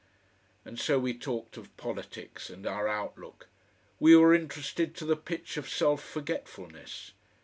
And so we talked of politics and our outlook. We were interested to the pitch of self forgetfulness.